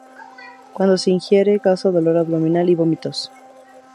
Cuando se ingiere, causa dolor abdominal y vómitos.